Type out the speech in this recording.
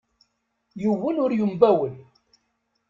Yiwen ur yembawel.